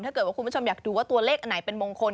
คุณผู้ชมอยากดูว่าตัวเลขอันไหนเป็นมงคล